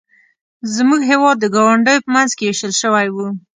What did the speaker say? زموږ هېواد د ګاونډیو په منځ کې ویشل شوی و.